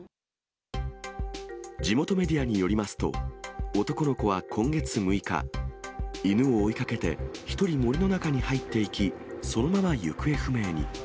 地元メディアによりますと、男の子は今月６日、犬を追いかけて一人、森の中に入っていき、そのまま行方不明に。